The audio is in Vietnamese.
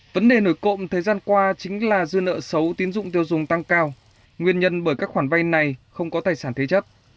vấn đề nổi cộng thời gian qua chính là dư nợ xấu tiến dụng tiêu dùng tăng cao nguyên nhân bởi các khoản vay này không có tài sản thế chấp